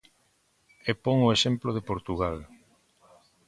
E pon o exemplo de Portugal.